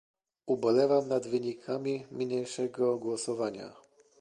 Ubolewam nad wynikami niniejszego głosowania